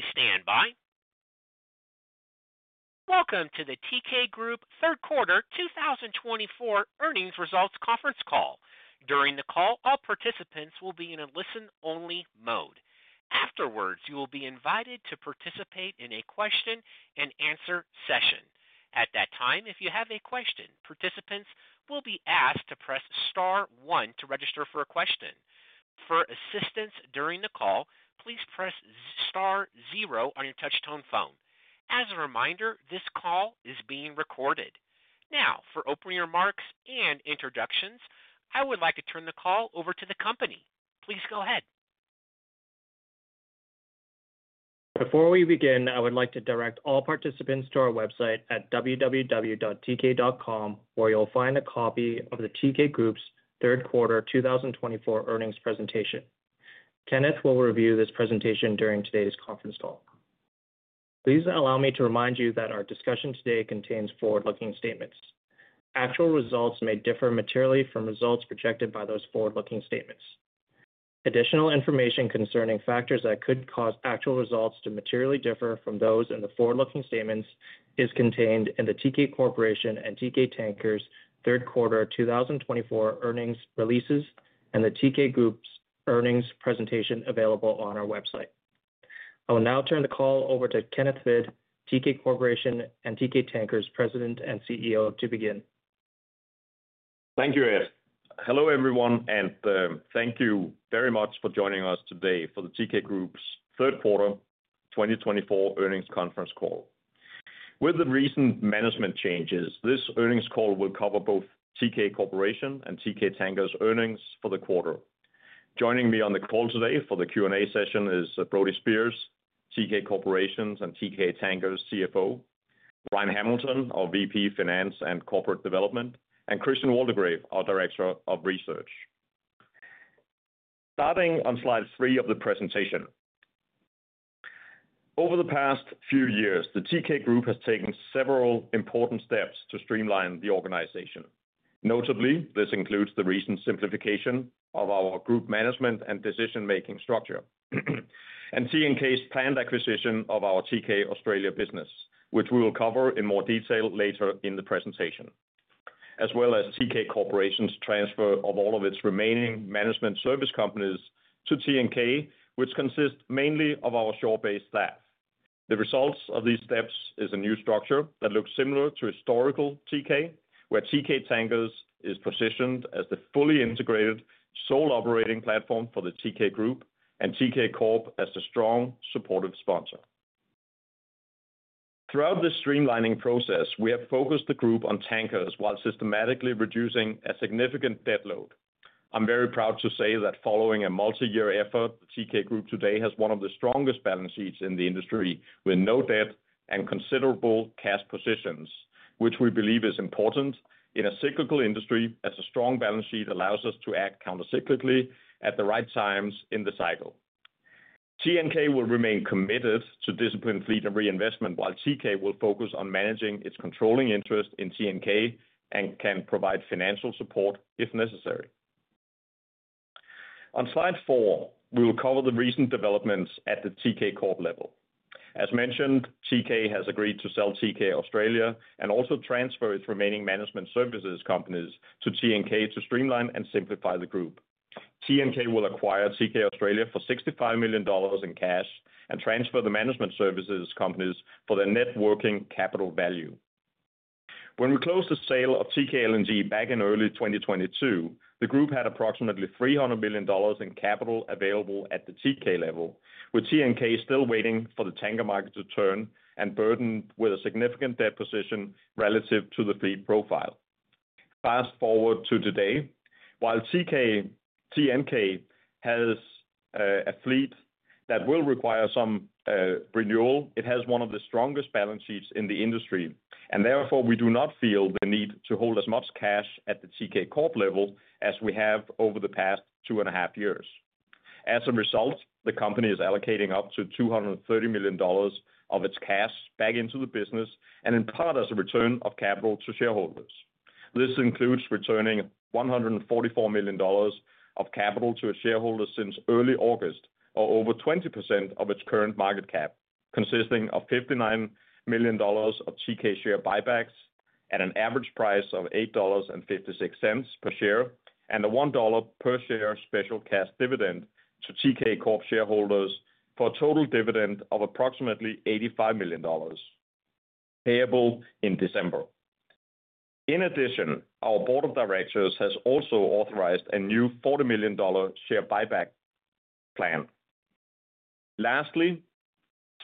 Please stand by. Welcome to the Teekay Group Third Quarter 2024 earnings results conference call. During the call, all participants will be in a listen-only mode. Afterwards, you will be invited to participate in a question-and-answer session. At that time, if you have a question, participants will be asked to press star one to register for a question. For assistance during the call, please press star zero on your touch-tone phone. As a reminder, this call is being recorded. Now, for opening remarks and introductions, I would like to turn the call over to the company. Please go ahead. Before we begin, I would like to direct all participants to our website at www.teekay.com, where you'll find a copy of the Teekay Group's Third Quarter 2024 earnings presentation. Kenneth will review this presentation during today's conference call. Please allow me to remind you that our discussion today contains forward-looking statements. Actual results may differ materially from results projected by those forward-looking statements. Additional information concerning factors that could cause actual results to materially differ from those in the forward-looking statements is contained in the Teekay Corporation and Teekay Tankers Third Quarter 2024 earnings releases and the Teekay Group's earnings presentation available on our website. I will now turn the call over to Kenneth Hvid, Teekay Corporation and Teekay Tankers President and CEO, to begin. Thank you, Ed. Hello, everyone, and thank you very much for joining us today for the Teekay Group's Third Quarter 2024 earnings conference call. With the recent management changes, this earnings call will cover both Teekay Corporation and Teekay Tankers' earnings for the quarter. Joining me on the call today for the Q&A session is Brody Speers, Teekay Corporation's and Teekay Tankers' CFO, Ryan Hamilton, our VP Finance and Corporate Development, and Christian Waldegrave, our Director of Research. Starting on slide three of the presentation, over the past few years, the Teekay Group has taken several important steps to streamline the organization. Notably, this includes the recent simplification of our group management and decision-making structure and TNK's planned acquisition of our Teekay Australia business, which we will cover in more detail later in the presentation, as well as Teekay Corporation's transfer of all of its remaining management service companies to TNK, which consists mainly of our shore-based staff. The result of these steps is a new structure that looks similar to historical Teekay, where Teekay Tankers is positioned as the fully integrated sole operating platform for the Teekay Group and Teekay Corp as the strong supportive sponsor. Throughout this streamlining process, we have focused the group on tankers while systematically reducing a significant debt load. I'm very proud to say that following a multi-year effort, the Teekay Group today has one of the strongest balance sheets in the industry, with no debt and considerable cash positions, which we believe is important in a cyclical industry, as a strong balance sheet allows us to act countercyclically at the right times in the cycle. TNK will remain committed to disciplined fleet and reinvestment, while Teekay will focus on managing its controlling interest in TNK and can provide financial support if necessary. On slide four, we will cover the recent developments at the Teekay Corp level. As mentioned, Teekay has agreed to sell Teekay Australia and also transfer its remaining management services companies to TNK to streamline and simplify the group. TNK will acquire Teekay Australia for $65 million in cash and transfer the management services companies for their net working capital value. When we closed the sale of Teekay LNG back in early 2022, the group had approximately $300 million in capital available at the Teekay level, with TNK still waiting for the tanker market to turn and burdened with a significant debt position relative to the fleet profile. Fast forward to today, while TNK has a fleet that will require some renewal, it has one of the strongest balance sheets in the industry, and therefore we do not feel the need to hold as much cash at the Teekay Corp level as we have over the past two and a half years. As a result, the company is allocating up to $230 million of its cash back into the business and in part as a return of capital to shareholders. This includes returning $144 million of capital to its shareholders since early August, or over 20% of its current market cap, consisting of $59 million of Teekay share buybacks at an average price of $8.56 per share and a $1 per share special cash dividend to Teekay Corp shareholders for a total dividend of approximately $85 million payable in December. In addition, our Board of Directors has also authorized a new $40 million share buyback plan. Lastly,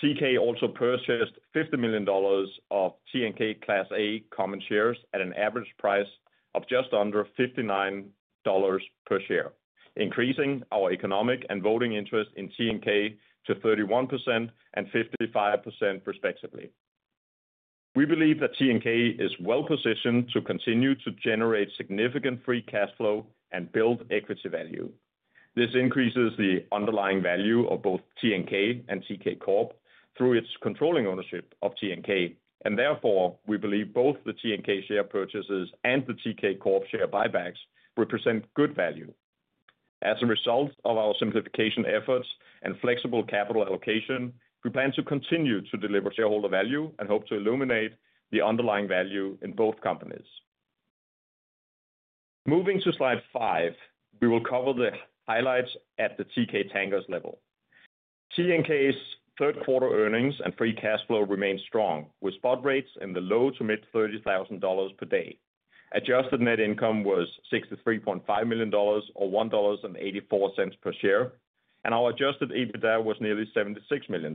Teekay also purchased $50 million of TNK Class A common shares at an average price of just under $59 per share, increasing our economic and voting interest in TNK to 31% and 55%, respectively. We believe that TNK is well positioned to continue to generate significant free cash flow and build equity value. This increases the underlying value of both TNK and Teekay Corp through its controlling ownership of TNK, and therefore we believe both the TNK share purchases and the Teekay Corp share buybacks represent good value. As a result of our simplification efforts and flexible capital allocation, we plan to continue to deliver shareholder value and hope to illuminate the underlying value in both companies. Moving to slide five, we will cover the highlights at the Teekay Tankers level. TNK's third quarter earnings and free cash flow remained strong, with spot rates in the low to mid $30,000 per day. Adjusted net income was $63.5 million, or $1.84 per share, and our adjusted EBITDA was nearly $76 million.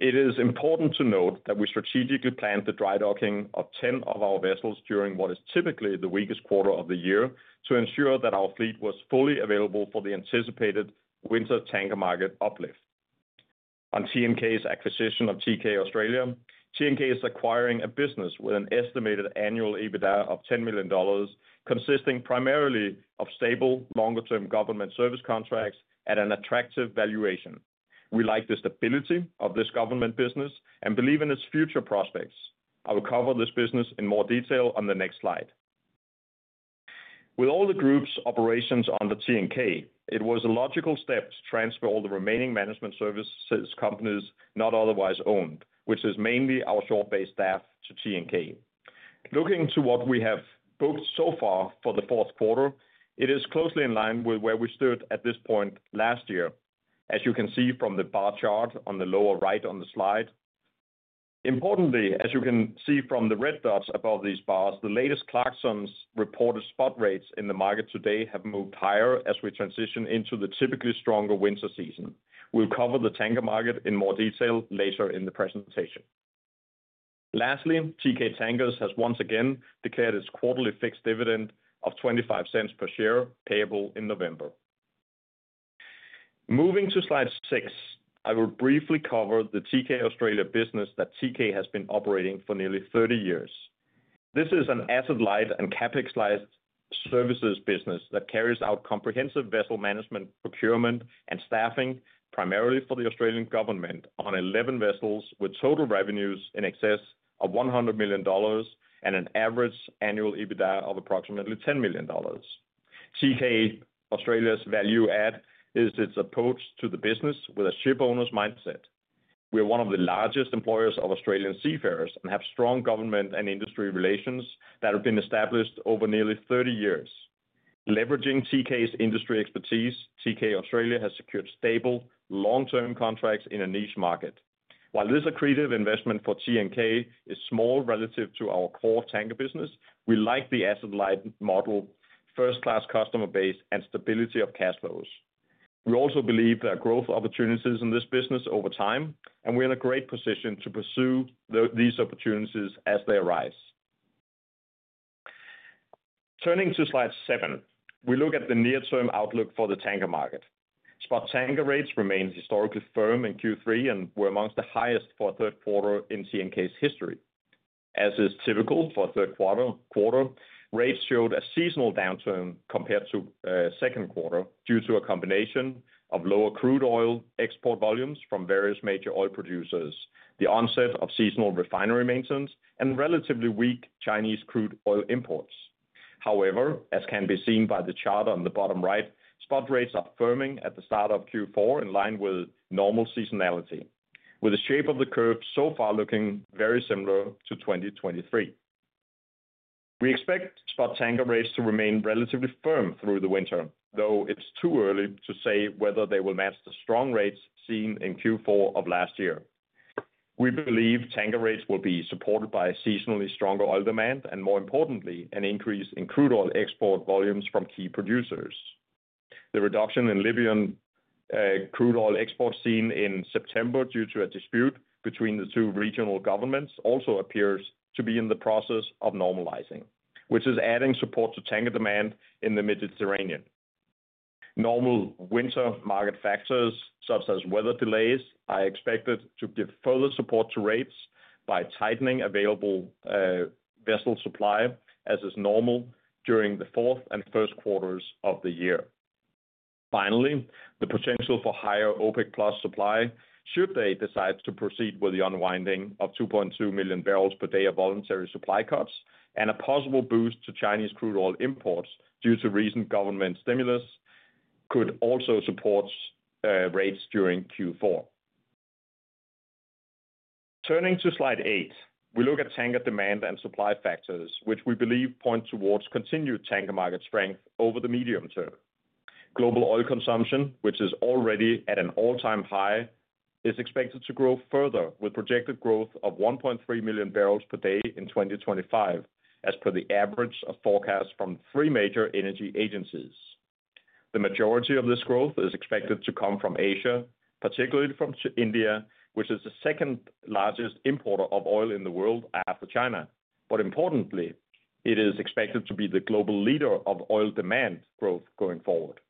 It is important to note that we strategically planned the dry docking of 10 of our vessels during what is typically the weakest quarter of the year to ensure that our fleet was fully available for the anticipated winter tanker market uplift. On TNK's acquisition of Teekay Australia, TNK is acquiring a business with an estimated annual EBITDA of $10 million, consisting primarily of stable, longer-term government service contracts at an attractive valuation. We like the stability of this government business and believe in its future prospects. I will cover this business in more detail on the next slide. With all the group's operations under TNK, it was a logical step to transfer all the remaining management services companies not otherwise owned, which is mainly our shore-based staff, to TNK. Looking to what we have booked so far for the fourth quarter, it is closely in line with where we stood at this point last year, as you can see from the bar chart on the lower right on the slide. Importantly, as you can see from the red dots above these bars, the latest Clarksons reported spot rates in the market today have moved higher as we transition into the typically stronger winter season. We'll cover the tanker market in more detail later in the presentation. Lastly, Teekay Tankers has once again declared its quarterly fixed dividend of $0.25 per share payable in November. Moving to slide six, I will briefly cover the Teekay Australia business that Teekay has been operating for nearly 30 years. This is an asset-light and CapEx-light services business that carries out comprehensive vessel management, procurement, and staffing primarily for the Australian government on 11 vessels with total revenues in excess of $100 million and an average annual EBITDA of approximately $10 million. Teekay Australia's value-add is its approach to the business with a shipowner's mindset. We are one of the largest employers of Australian seafarers and have strong government and industry relations that have been established over nearly 30 years. Leveraging Teekay's industry expertise, Teekay Australia has secured stable, long-term contracts in a niche market. While this accretive investment for TNK is small relative to our core tanker business, we like the asset-light model, first-class customer base, and stability of cash flows. We also believe there are growth opportunities in this business over time, and we're in a great position to pursue these opportunities as they arise. Turning to slide seven, we look at the near-term outlook for the tanker market. Spot tanker rates remained historically firm in Q3 and were among the highest for a third quarter in TNK's history. As is typical for a third quarter, rates showed a seasonal downturn compared to the second quarter due to a combination of lower crude oil export volumes from various major oil producers, the onset of seasonal refinery maintenance, and relatively weak Chinese crude oil imports. However, as can be seen by the chart on the bottom right, spot rates are firming at the start of Q4 in line with normal seasonality, with the shape of the curve so far looking very similar to 2023. We expect spot tanker rates to remain relatively firm through the winter, though it's too early to say whether they will match the strong rates seen in Q4 of last year. We believe tanker rates will be supported by seasonally stronger oil demand and, more importantly, an increase in crude oil export volumes from key producers. The reduction in Libyan crude oil exports seen in September due to a dispute between the two regional governments also appears to be in the process of normalizing, which is adding support to tanker demand in the Mediterranean. Normal winter market factors such as weather delays are expected to give further support to rates by tightening available vessel supply, as is normal during the fourth and first quarters of the year. Finally, the potential for higher OPEC+ supply should they decide to proceed with the unwinding of 2.2 million barrels per day of voluntary supply cuts and a possible boost to Chinese crude oil imports due to recent government stimulus could also support rates during Q4. Turning to slide eight, we look at tanker demand and supply factors, which we believe point towards continued tanker market strength over the medium term. Global oil consumption, which is already at an all-time high, is expected to grow further with projected growth of 1.3 million barrels per day in 2025, as per the average forecast from three major energy agencies. The majority of this growth is expected to come from Asia, particularly from India, which is the second largest importer of oil in the world after China. But importantly, it is expected to be the global leader of oil demand growth going forward.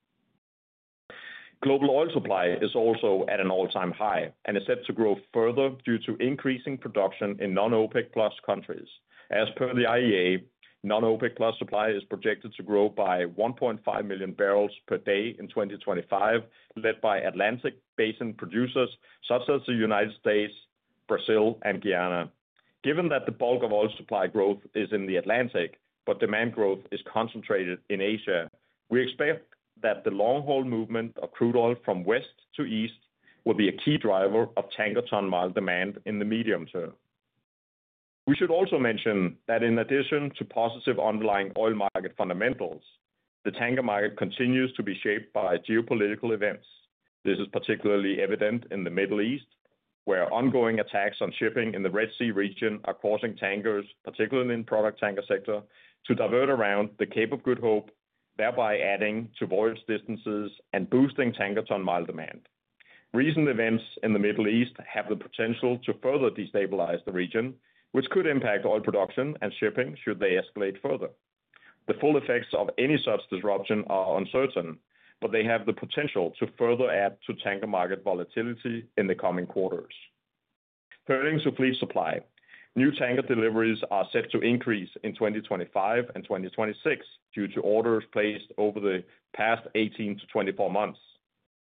Global oil supply is also at an all-time high and is set to grow further due to increasing production in non-OPEC+ countries. As per the IEA, non-OPEC+ supply is projected to grow by 1.5 million barrels per day in 2025, led by Atlantic Basin producers such as the United States, Brazil, and Guyana. Given that the bulk of oil supply growth is in the Atlantic, but demand growth is concentrated in Asia, we expect that the long-haul movement of crude oil from west to east will be a key driver of tanker ton-mile demand in the medium term. We should also mention that in addition to positive underlying oil market fundamentals, the tanker market continues to be shaped by geopolitical events. This is particularly evident in the Middle East, where ongoing attacks on shipping in the Red Sea region are causing tankers, particularly in the product tanker sector, to divert around the Cape of Good Hope, thereby adding to voyage distances and boosting tanker ton-mile demand. Recent events in the Middle East have the potential to further destabilize the region, which could impact oil production and shipping should they escalate further. The full effects of any such disruption are uncertain, but they have the potential to further add to tanker market volatility in the coming quarters. Turning to fleet supply, new tanker deliveries are set to increase in 2025 and 2026 due to orders placed over the past 18-24 months.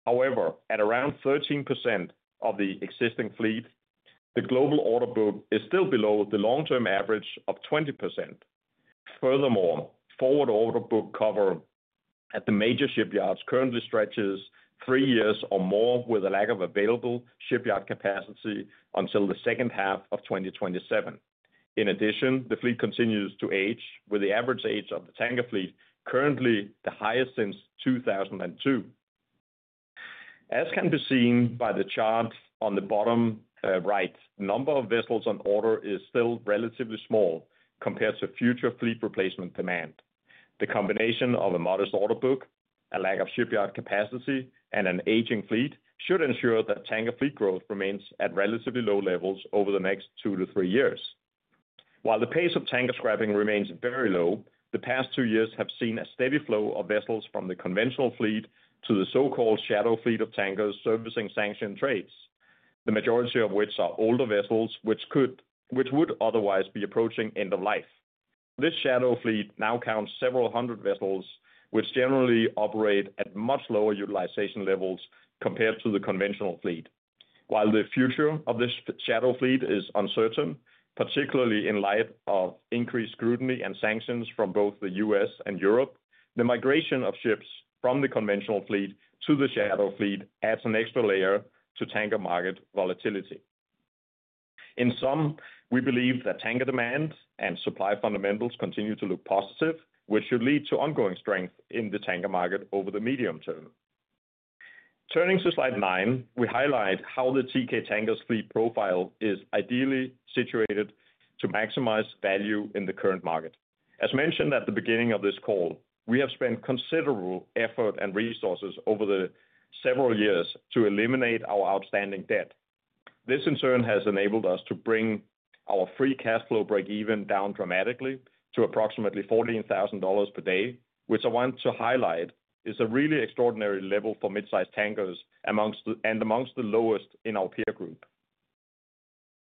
However, at around 13% of the existing fleet, the global order book is still below the long-term average of 20%. Furthermore, forward order book cover at the major shipyards currently stretches three years or more with a lack of available shipyard capacity until the second half of 2027. In addition, the fleet continues to age, with the average age of the tanker fleet currently the highest since 2002. As can be seen by the chart on the bottom right, the number of vessels on order is still relatively small compared to future fleet replacement demand. The combination of a modest order book, a lack of shipyard capacity, and an aging fleet should ensure that tanker fleet growth remains at relatively low levels over the next two to three years. While the pace of tanker scrapping remains very low, the past two years have seen a steady flow of vessels from the conventional fleet to the so-called shadow fleet of tankers servicing sanctioned trades, the majority of which are older vessels which would otherwise be approaching end of life. This shadow fleet now counts several hundred vessels, which generally operate at much lower utilization levels compared to the conventional fleet. While the future of this shadow fleet is uncertain, particularly in light of increased scrutiny and sanctions from both the U.S. and Europe, the migration of ships from the conventional fleet to the shadow fleet adds an extra layer to tanker market volatility. In sum, we believe that tanker demand and supply fundamentals continue to look positive, which should lead to ongoing strength in the tanker market over the medium term. Turning to slide nine, we highlight how the Teekay Tankers fleet profile is ideally situated to maximize value in the current market. As mentioned at the beginning of this call, we have spent considerable effort and resources over the several years to eliminate our outstanding debt. This, in turn, has enabled us to bring our free cash flow break-even down dramatically to approximately $14,000 per day, which I want to highlight is a really extraordinary level for mid-size tankers and amongst the lowest in our peer group.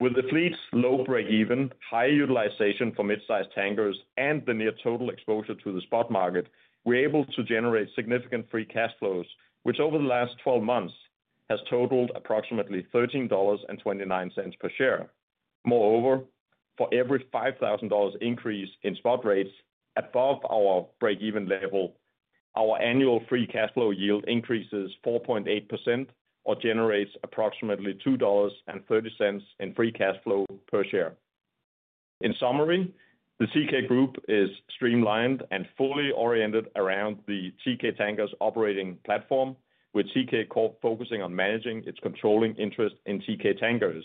With the fleet's low break-even, high utilization for mid-size tankers, and the near total exposure to the spot market, we're able to generate significant free cash flows, which over the last 12 months has totaled approximately $13.29 per share. Moreover, for every $5,000 increase in spot rates above our break-even level, our annual free cash flow yield increases 4.8% or generates approximately $2.30 in free cash flow per share. In summary, the Teekay Group is streamlined and fully oriented around the Teekay Tankers operating platform, with Teekay focusing on managing its controlling interest in Teekay Tankers.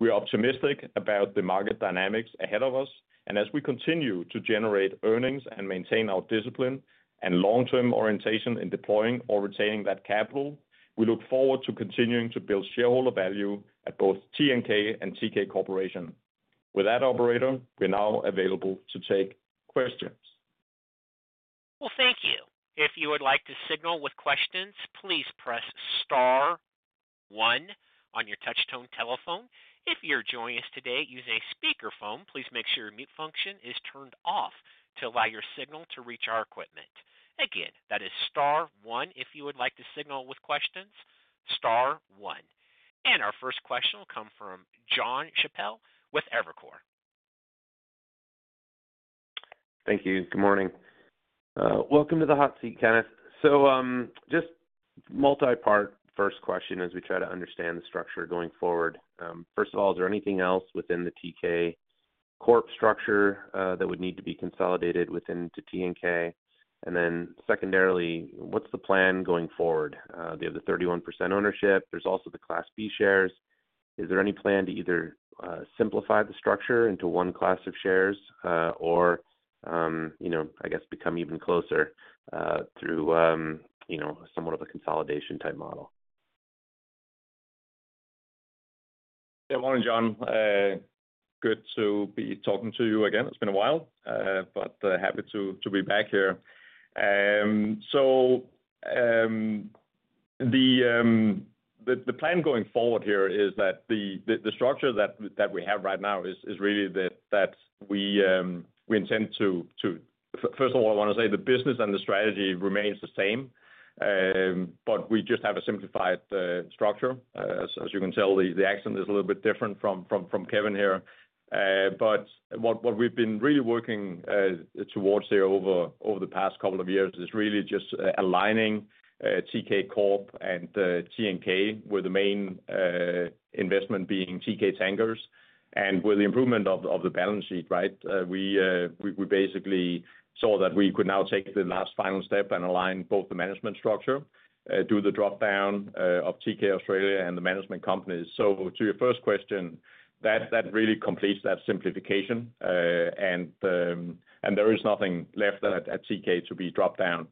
We are optimistic about the market dynamics ahead of us, and as we continue to generate earnings and maintain our discipline and long-term orientation in deploying or retaining that capital, we look forward to continuing to build shareholder value at both TNK and Teekay Corporation. With that, operator, we're now available to take questions. Thank you. If you would like to signal with questions, please press star one on your touch-tone telephone. If you're joining us today using a speakerphone, please make sure your mute function is turned off to allow your signal to reach our equipment. Again, that is star one if you would like to signal with questions, star one. Our first question will come from Jon Chappell with Evercore. Thank you. Good morning. Welcome to the hot seat, Kenneth. So just multi-part first question as we try to understand the structure going forward. First of all, is there anything else within the Teekay Corp structure that would need to be consolidated within to TNK? And then secondarily, what's the plan going forward? They have the 31% ownership. There's also the Class B shares. Is there any plan to either simplify the structure into one class of shares or, I guess, become even closer through somewhat of a consolidation type model? Good morning, Jon. Good to be talking to you again. It's been a while, but happy to be back here. So the plan going forward here is that the structure that we have right now is really that we intend to, first of all, I want to say the business and the strategy remains the same, but we just have a simplified structure. As you can tell, the accent is a little bit different from Kevin here. But what we've been really working towards here over the past couple of years is really just aligning Teekay Corp and TNK, with the main investment being Teekay Tankers. And with the improvement of the balance sheet, right, we basically saw that we could now take the last final step and align both the management structure, do the dropdown of Teekay Australia and the management companies. To your first question, that really completes that simplification, and there is nothing left at Teekay to be dropped down.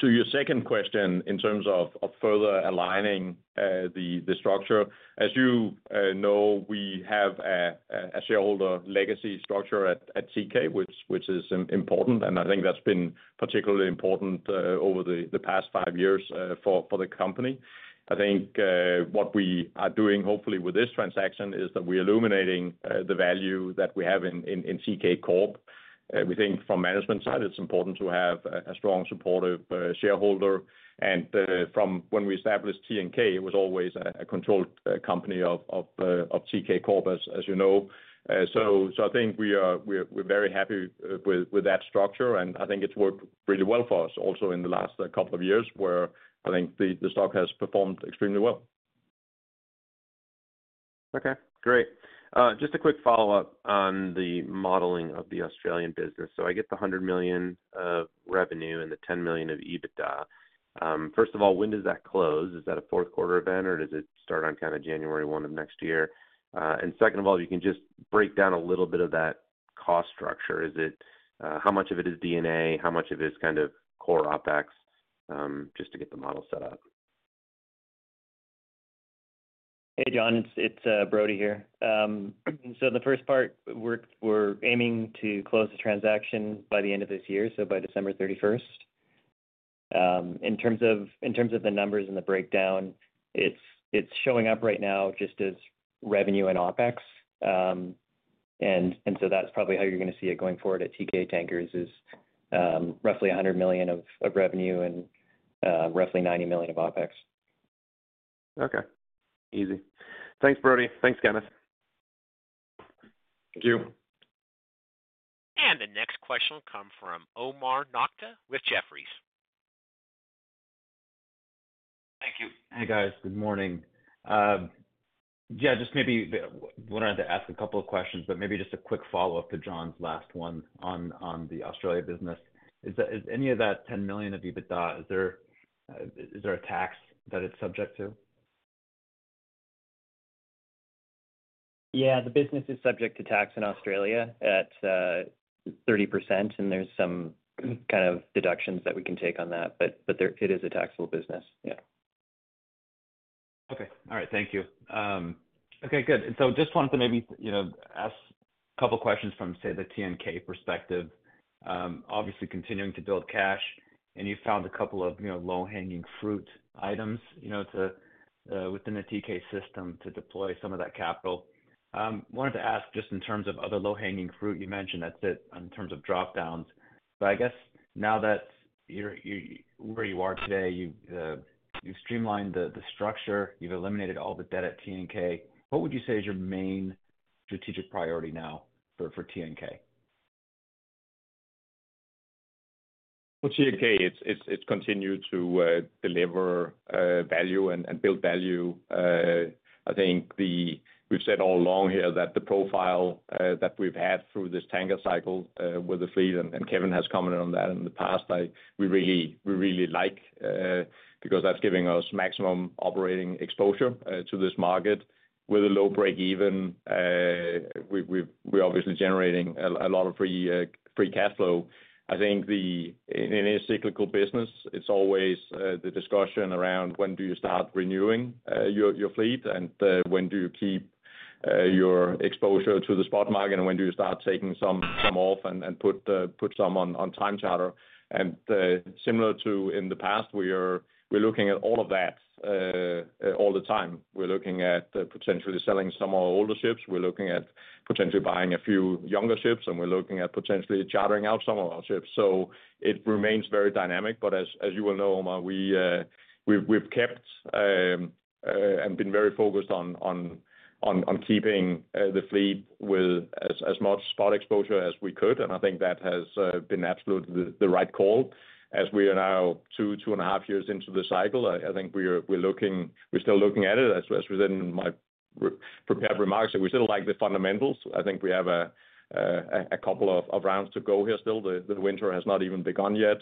To your second question in terms of further aligning the structure, as you know, we have a shareholder legacy structure at Teekay, which is important, and I think that's been particularly important over the past five years for the company. I think what we are doing, hopefully, with this transaction is that we are illuminating the value that we have in Teekay Corp. We think from management side, it's important to have a strong supportive shareholder. And from when we established TNK, it was always a controlled company of Teekay Corp, as you know. So I think we're very happy with that structure, and I think it's worked really well for us also in the last couple of years where I think the stock has performed extremely well. Okay. Great. Just a quick follow-up on the modeling of the Australian business. So I get the $100 million of revenue and the $10 million of EBITDA. First of all, when does that close? Is that a fourth quarter event, or does it start on kind of January 1 of next year? And second of all, if you can just break down a little bit of that cost structure, how much of it is D&A? How much of it is kind of core OpEx? Just to get the model set up. Hey, Jon. It's Brody here. So in the first part, we're aiming to close the transaction by the end of this year, so by December 31st. In terms of the numbers and the breakdown, it's showing up right now just as revenue and OPEX. And so that's probably how you're going to see it going forward at Teekay Tankers is roughly $100 million of revenue and roughly $90 million of OPEX. Okay. Easy. Thanks, Brody. Thanks, Kenneth. Thank you. The next question will come from Omar Nokta with Jefferies. Thank you. Hey, guys. Good morning. Yeah, just maybe wanted to ask a couple of questions, but maybe just a quick follow-up to Jon's last one on the Australia business. Is any of that $10 million of EBITDA, is there a tax that it's subject to? Yeah, the business is subject to tax in Australia at 30%, and there's some kind of deductions that we can take on that, but it is a taxable business. Yeah. Okay. All right. Thank you. Okay. Good. And so just wanted to maybe ask a couple of questions from, say, the TNK perspective. Obviously, continuing to build cash, and you found a couple of low-hanging fruit items within the Teekay system to deploy some of that capital. Wanted to ask just in terms of other low-hanging fruit, you mentioned that's it in terms of dropdowns. But I guess now that where you are today, you've streamlined the structure, you've eliminated all the debt at TNK. What would you say is your main strategic priority now for TNK? TNK, it's continued to deliver value and build value. I think we've said all along here that the profile that we've had through this tanker cycle with the fleet, and Kevin has commented on that in the past, we really like because that's giving us maximum operating exposure to this market with a low break-even. We're obviously generating a lot of free cash flow. I think in any cyclical business, it's always the discussion around when do you start renewing your fleet and when do you keep your exposure to the spot market and when do you start taking some off and put some on time charter. Similar to in the past, we're looking at all of that all the time. We're looking at potentially selling some of our older ships. We're looking at potentially buying a few younger ships, and we're looking at potentially chartering out some of our ships. It remains very dynamic, but as you will know, Omar, we've kept and been very focused on keeping the fleet with as much spot exposure as we could. I think that has been absolutely the right call. As we are now two and a half years into the cycle, I think we're still looking at it as within my prepared remarks. We still like the fundamentals. I think we have a couple of rounds to go here still. The winter has not even begun yet.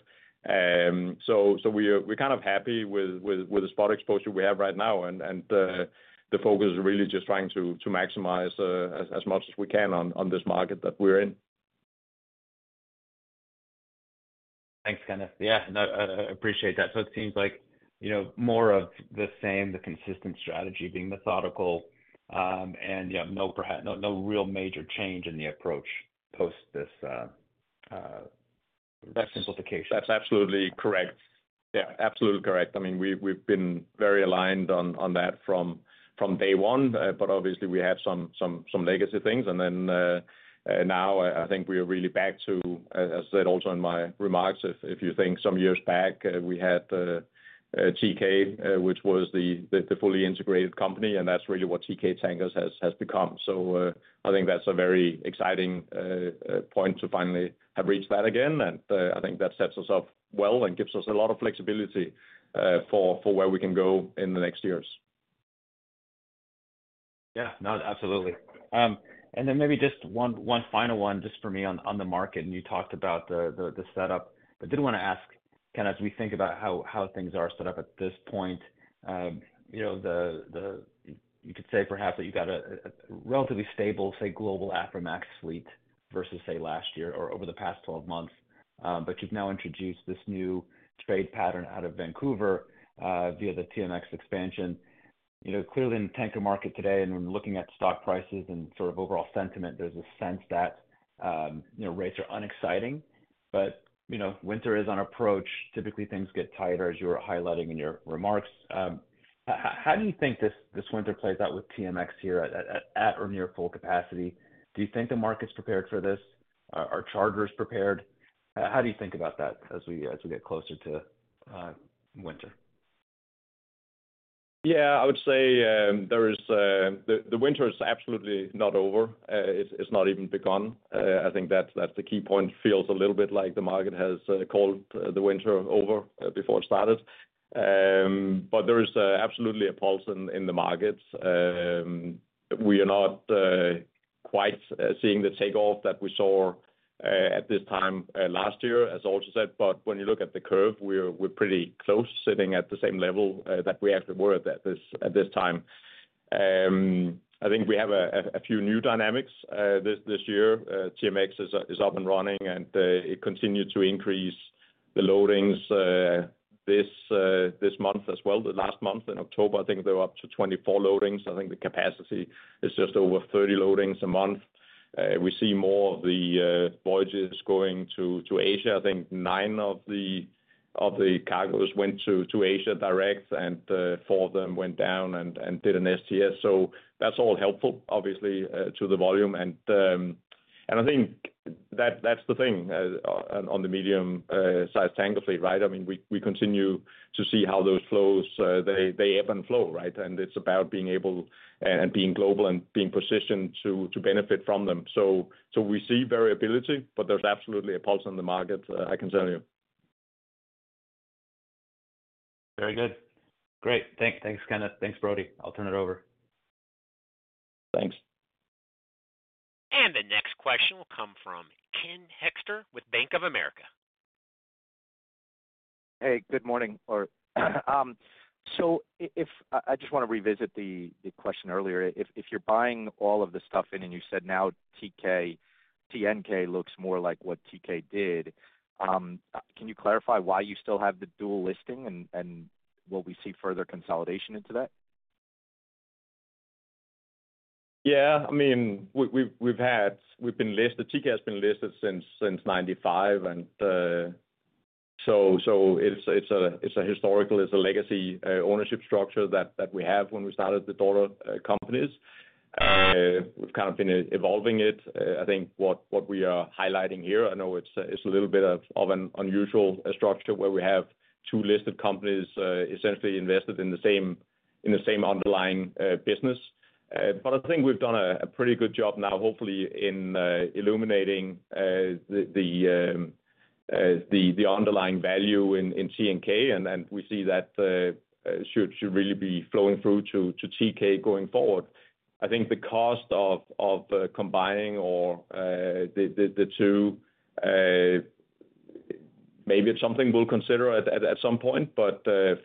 We're kind of happy with the spot exposure we have right now, and the focus is really just trying to maximize as much as we can on this market that we're in. Thanks, Kenneth. Yeah, no, I appreciate that. So it seems like more of the same, the consistent strategy being methodical and no real major change in the approach post this simplification. That's absolutely correct. Yeah, absolutely correct. I mean, we've been very aligned on that from day one, but obviously, we have some legacy things. And then now, I think we are really back to, as I said also in my remarks, if you think some years back, we had Teekay, which was the fully integrated company, and that's really what Teekay Tankers has become. So I think that's a very exciting point to finally have reached that again. And I think that sets us up well and gives us a lot of flexibility for where we can go in the next years. Yeah, no, absolutely. And then maybe just one final one just for me on the market. And you talked about the setup, but did want to ask, Kenneth, as we think about how things are set up at this point, you could say perhaps that you've got a relatively stable, say, global Aframax fleet versus, say, last year or over the past 12 months, but you've now introduced this new trade pattern out of Vancouver via the TMX expansion. Clearly, in the tanker market today, and when looking at stock prices and sort of overall sentiment, there's a sense that rates are unexciting, but winter is on approach. Typically, things get tighter, as you were highlighting in your remarks. How do you think this winter plays out with TMX here at or near full capacity? Do you think the market's prepared for this? Are charterers prepared? How do you think about that as we get closer to winter? Yeah, I would say the winter is absolutely not over. It's not even begun. I think that's the key point. It feels a little bit like the market has called the winter over before it started. But there is absolutely a pulse in the markets. We are not quite seeing the takeoff that we saw at this time last year, as also said. But when you look at the curve, we're pretty close sitting at the same level that we actually were at this time. I think we have a few new dynamics this year. TMX is up and running, and it continued to increase the loadings this month as well. The last month in October, I think there were up to 24 loadings. I think the capacity is just over 30 loadings a month. We see more of the voyages going to Asia. I think nine of the cargoes went to Asia direct, and four of them went down and did an STS. So that's all helpful, obviously, to the volume. And I think that's the thing on the medium-sized tanker fleet, right? I mean, we continue to see how those flows, they ebb and flow, right? And it's about being able and being global and being positioned to benefit from them. So we see variability, but there's absolutely a pulse in the market, I can tell you. Very good. Great. Thanks, Kenneth. Thanks, Brody. I'll turn it over. Thanks. The next question will come from Ken Hoexter with Bank of America. Hey, good morning. So I just want to revisit the question earlier. If you're buying all of the stuff in, and you said now TNK looks more like what Teekay did, can you clarify why you still have the dual listing and will we see further consolidation into that? Yeah. I mean, we've been listed. Teekay has been listed since 1995. And so it's a historical, it's a legacy ownership structure that we have when we started the daughter companies. We've kind of been evolving it. I think what we are highlighting here, I know it's a little bit of an unusual structure where we have two listed companies essentially invested in the same underlying business. But I think we've done a pretty good job now, hopefully, in illuminating the underlying value in TNK, and we see that should really be flowing through to Teekay going forward. I think the cost of combining the two, maybe it's something we'll consider at some point, but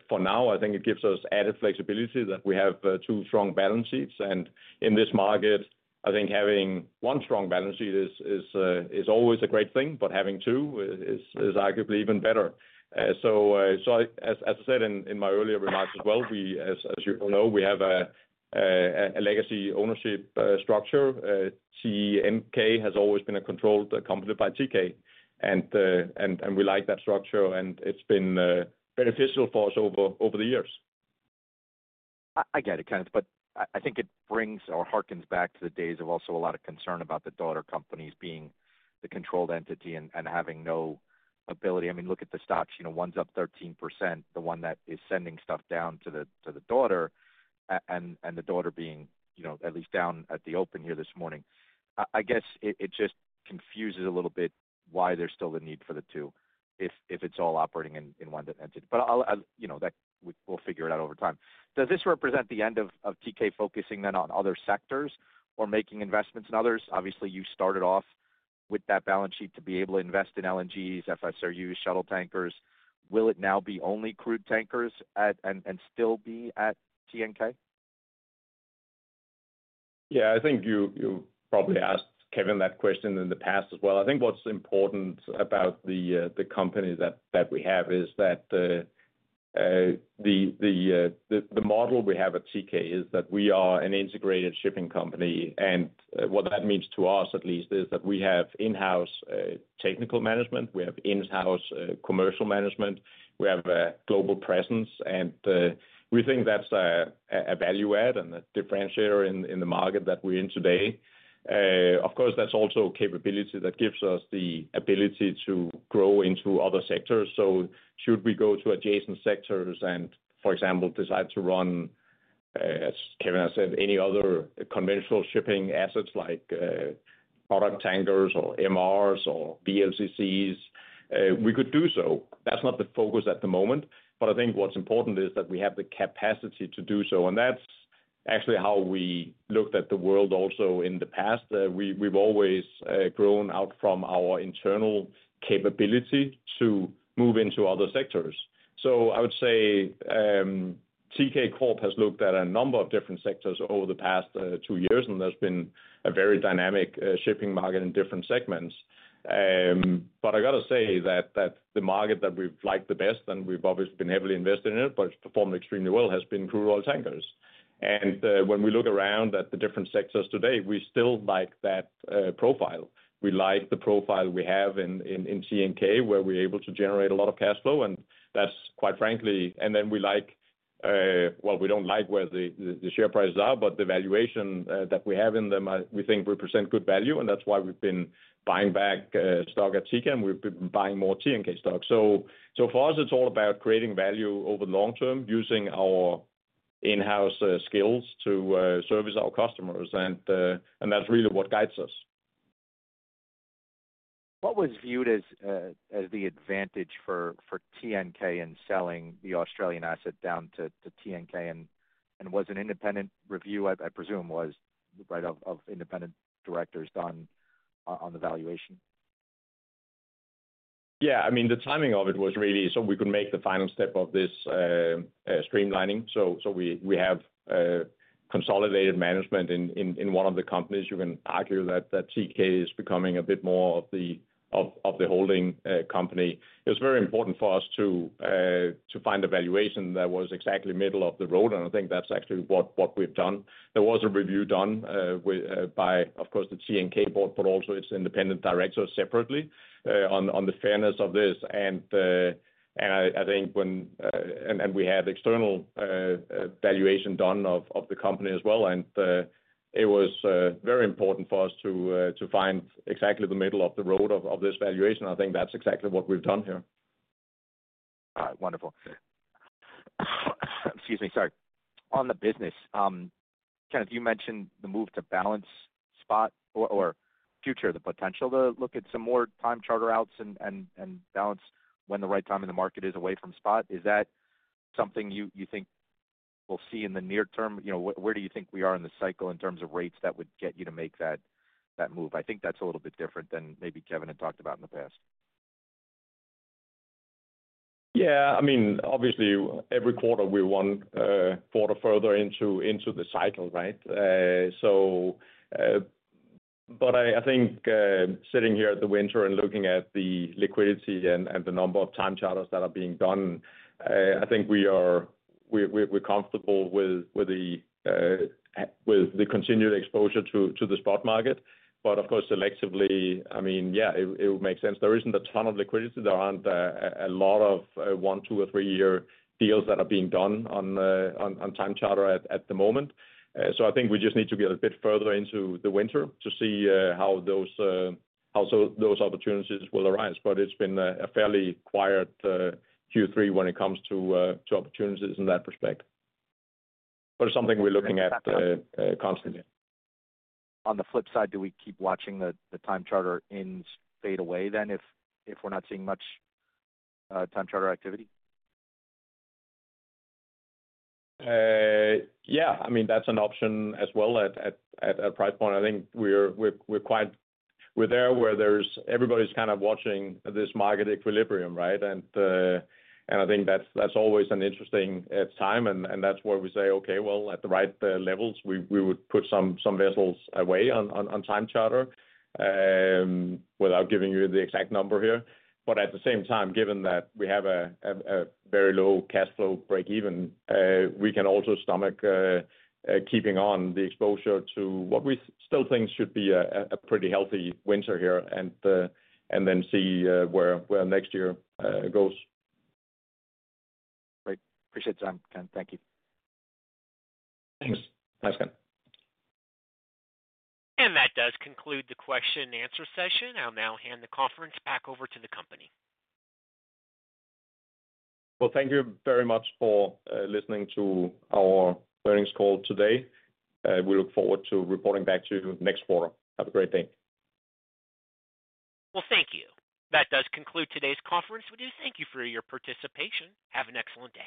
for now, I think it gives us added flexibility that we have two strong balance sheets. And in this market, I think having one strong balance sheet is always a great thing, but having two is arguably even better. So as I said in my earlier remarks as well, as you all know, we have a legacy ownership structure. TNK has always been a controlled company by Teekay, and we like that structure, and it's been beneficial for us over the years. I get it, Kenneth, but I think it brings or hearkens back to the days of also a lot of concern about the daughter companies being the controlled entity and having no ability. I mean, look at the stocks. One's up 13%, the one that is sending stuff down to the daughter, and the daughter being at least down at the open here this morning. I guess it just confuses a little bit why there's still a need for the two if it's all operating in one entity. But we'll figure it out over time. Does this represent the end of Teekay focusing then on other sectors or making investments in others? Obviously, you started off with that balance sheet to be able to invest in LNGs, FSRUs, shuttle tankers. Will it now be only crude tankers and still be at TNK? Yeah, I think you probably asked Kevin that question in the past as well. I think what's important about the company that we have is that the model we have at Teekay is that we are an integrated shipping company, and what that means to us, at least, is that we have in-house technical management. We have in-house commercial management. We have a global presence, and we think that's a value add and a differentiator in the market that we're in today. Of course, that's also capability that gives us the ability to grow into other sectors, so should we go to adjacent sectors and, for example, decide to run, as Kevin has said, any other conventional shipping assets like product tankers or MRs or VLCCs, we could do so. That's not the focus at the moment, but I think what's important is that we have the capacity to do so. And that's actually how we looked at the world also in the past. We've always grown out from our internal capability to move into other sectors. So I would say Teekay Corp has looked at a number of different sectors over the past two years, and there's been a very dynamic shipping market in different segments. But I got to say that the market that we've liked the best, and we've obviously been heavily invested in it, but it's performed extremely well, has been crude oil tankers. And when we look around at the different sectors today, we still like that profile. We like the profile we have in TNK where we're able to generate a lot of cash flow, and that's quite frankly. Then we like, well, we don't like where the share prices are, but the valuation that we have in them, we think represent good value, and that's why we've been buying back stock at Teekay, and we've been buying more TNK stock. So for us, it's all about creating value over the long term using our in-house skills to service our customers, and that's really what guides us. What was viewed as the advantage for TNK in selling the Australian asset down to TNK, and was an independent review, I presume, right, of independent directors done on the valuation? Yeah. I mean, the timing of it was really so we could make the final step of this streamlining, so we have consolidated management in one of the companies. You can argue that Teekay is becoming a bit more of the holding company. It was very important for us to find a valuation that was exactly middle of the road, and I think that's actually what we've done. There was a review done by, of course, the TNK board, but also its independent directors separately on the fairness of this, and I think when we had external valuation done of the company as well, and it was very important for us to find exactly the middle of the road of this valuation. I think that's exactly what we've done here. All right. Wonderful. Excuse me. Sorry. On the business, Kenneth, you mentioned the move to balance spot or future, the potential to look at some more time charter outs and balance when the right time in the market is away from spot. Is that something you think we'll see in the near term? Where do you think we are in the cycle in terms of rates that would get you to make that move? I think that's a little bit different than maybe Kevin had talked about in the past. Yeah. I mean, obviously, every quarter, we want a quarter further into the cycle, right? But I think sitting here at the winter and looking at the liquidity and the number of time charters that are being done, I think we're comfortable with the continued exposure to the spot market. But of course, selectively, I mean, yeah, it would make sense. There isn't a ton of liquidity. There aren't a lot of one, two, or three-year deals that are being done on time charter at the moment. So I think we just need to get a bit further into the winter to see how those opportunities will arise. But it's been a fairly quiet Q3 when it comes to opportunities in that respect. But it's something we're looking at constantly. On the flip side, do we keep watching the time charter ends fade away then if we're not seeing much time charter activity? Yeah. I mean, that's an option as well at price point. I think we're there where everybody's kind of watching this market equilibrium, right? And I think that's always an interesting time. And that's where we say, "Okay, well, at the right levels, we would put some vessels away on time charter without giving you the exact number here." But at the same time, given that we have a very low cash flow break-even, we can also stomach keeping on the exposure to what we still think should be a pretty healthy winter here and then see where next year goes. Great. Appreciate the time, Ken. Thank you. Thanks. Thanks, Ken. That does conclude the question-and-answer session. I'll now hand the conference back over to the company. Thank you very much for listening to our earnings call today. We look forward to reporting back to you next quarter. Have a great day. Well, thank you. That does conclude today's conference. We do thank you for your participation. Have an excellent.